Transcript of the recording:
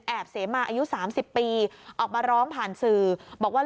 เสมาอายุ๓๐ปีออกมาร้องผ่านสื่อบอกว่า